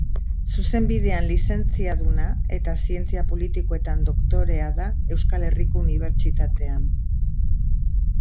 Zuzenbidean lizentziaduna eta Zientzia politikoetan doktorea da Euskal Herriko Unibertsitatean.